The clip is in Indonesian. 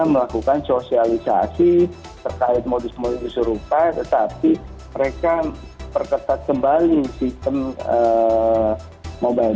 melakukan sosialisasi terkait modus modus serupa tetapi mereka perketat kembali sistem mobile